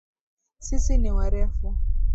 Sisi ni warefu